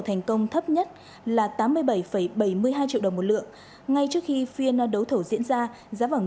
thành công thấp nhất là tám mươi bảy bảy mươi hai triệu đồng một lượng ngay trước khi phiên đấu thầu diễn ra giá vàng